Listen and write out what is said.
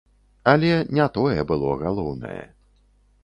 Але не тое было галоўнае.